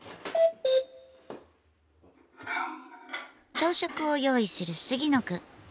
朝食を用意する杉野くん。